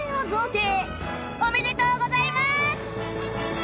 おめでとうございます！